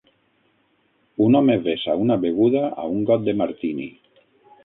Un home vessa una beguda a un got de martini.